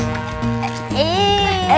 mari mereka keluar